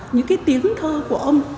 những cái tiếng thơ của ông